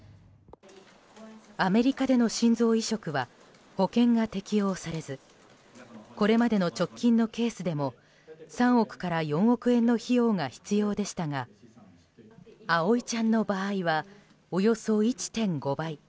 アメリカでの心臓移植は保険が適用されずこれまでの直近のケースでも３億から４億円の費用が必要でしたが葵ちゃんの場合はおよそ１．５倍。